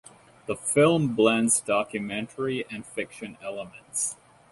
The film blends documentary and fiction elements.